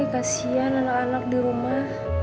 kasian anak anak di rumah